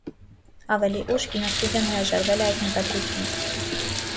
Ավելի ուշ, կինոստուդիան հրաժարվել է այդ մտադրությունից։